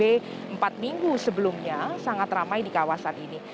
ini empat minggu sebelumnya sangat ramai di kawasan ini